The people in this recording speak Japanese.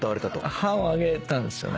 半音上げたんですよね。